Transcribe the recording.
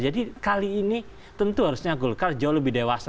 jadi kali ini tentu harusnya golkar jauh lebih dewasa